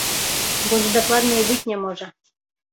Больш дакладна і быць не можа.